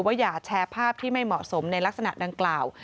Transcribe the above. อย่าแชร์ภาพที่ไม่เหมาะสมในลักษณะดังกล่าว